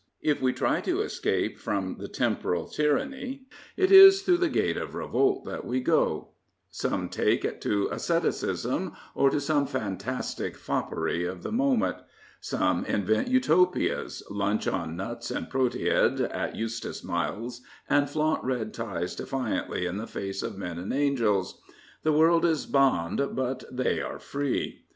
If we try to escape from the temporal tyranny, it is through the gate of revolt that we go. Some take to asceticism or to some fantastic foppery of the moment. Some invent Utopias, lunch on nuts and proteid at Eustace Miles', and flaunt red ties defiantly in the face of men and angels. The world is bond, but they are free.